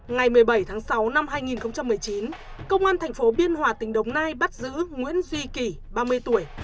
ngày một mươi bảy tháng sáu năm hai nghìn một mươi chín công an thành phố biên hòa tỉnh đồng nai bắt giữ nguyễn duy kỳ ba mươi tuổi